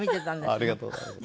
ありがとうございます。